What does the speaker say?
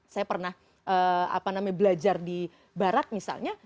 saya pernah belajar di barat misalnya